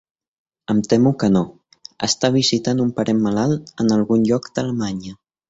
Em temo que no; està visitant un parent malalt en algun lloc d'Alemanya.